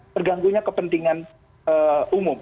perganggunya kepentingan umum